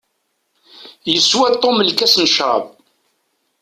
Yeswa Tom lkas n ccrab.